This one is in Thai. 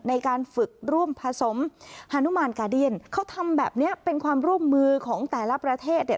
ในการฝึกร่วมผสมฮานุมานกาเดียนเขาทำแบบเนี้ยเป็นความร่วมมือของแต่ละประเทศเนี่ย